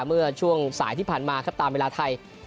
เมื่อช่วงสายที่ผ่านมาครับตามเวลาไทย